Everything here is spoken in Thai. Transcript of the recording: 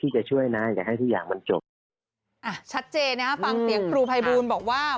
ชัดเจนนะฮะฟังเสียงครูภัยบูลบอกว่า